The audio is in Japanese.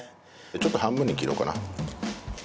ちょっと半分に切ろうかな。